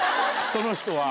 その人は。